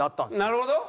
なるほど。